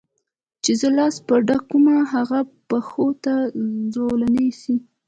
چي زه لاس په ډکومه هغه پښو ته زولانه سي